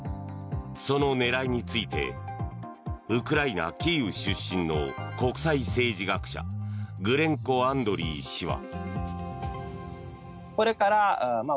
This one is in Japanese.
その狙いについてウクライナ・キーウ出身の国際政治学者グレンコ・アンドリー氏は。